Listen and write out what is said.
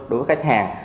đối với khách hàng